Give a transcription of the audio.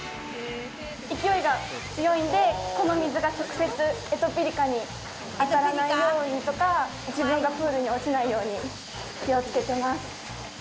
勢いが強いんで、この水が直接エトピリカに当たらないようにとか、自分がプールに落ちないように気をつけてます。